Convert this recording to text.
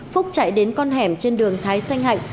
phúc chạy đến con hẻm trên đường thái xanh hạnh